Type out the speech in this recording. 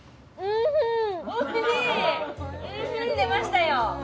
「んふぃ」出ましたよ